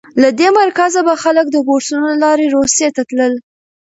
له دې مرکزه به خلک د بورسونو له لارې روسیې ته تلل.